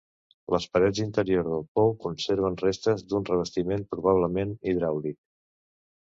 Les parets interiors del pou conserven restes d'un revestiment probablement hidràulic.